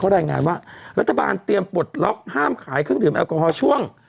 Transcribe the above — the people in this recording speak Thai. รายงานว่ารัฐบาลเตรียมปลดล็อกห้ามขายเครื่องดื่มแอลกอฮอล์ช่วง